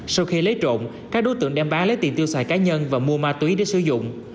sau khi lấy trộm các đối tượng đem bán lấy tiền tiêu xài cá nhân và mua ma túy để sử dụng